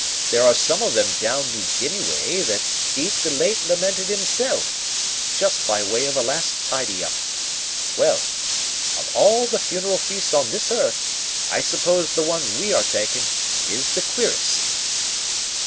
There are some of them down New Guinea way that eat the late lamented himself, just by way of a last tidy up. Well, of all the funeral feasts on this earth, I suppose the one we are takin' is the queerest."